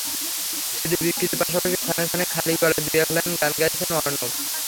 CD বিক্রির পাশাপাশি ক্ষণে ক্ষণে খালি গলায় দু–এক লাইন গান গাইছেন অর্ণব।